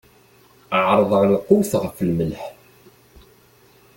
Ɛerḍeɣ lqut ɣef lmelḥ.